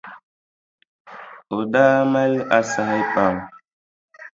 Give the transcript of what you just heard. O daa mali asahi pam.